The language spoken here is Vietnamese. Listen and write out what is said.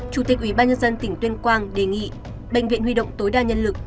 chủ tịch ủy ban nhân dân tỉnh tuyên quang đề nghị bệnh viện huy động tối đa nhân lực